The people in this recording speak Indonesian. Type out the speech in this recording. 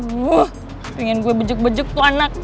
wuh pengen gue bejek bejek tuh anak